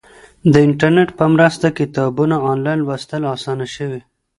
د انټرنیټ په مرسته کتابونه آنلاین لوستل اسانه شوي.